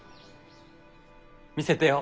見せてよ。